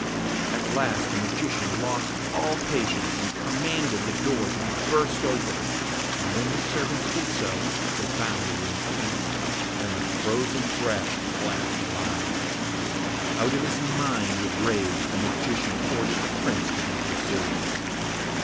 At last the Magician lost all patience, and commanded the door to be burst open. But when his servants did so, they found the room empty, and the frozen breath laughed aloud. Out of his mind with rage, the Magician ordered the Prince to be pursued.